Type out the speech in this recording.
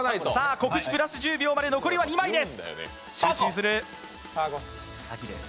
告知プラス１０秒まで残り２枚です。